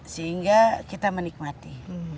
sehingga kita menikmati